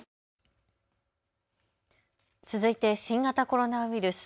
続いて新型コロナウイルス。